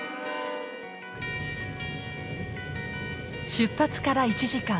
出発から１時間。